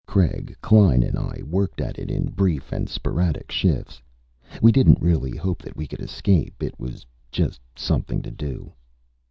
Craig, Klein and I worked at it in brief and sporadic shifts. We didn't really hope that we could escape. It was just something to do.